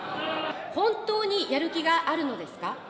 本当にやる気があるのですか。